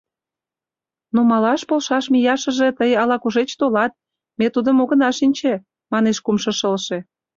— Нумалаш полшаш мияшыже тый ала-кушеч толат, ме тудым огына шинче, — манеш кумшо шылше.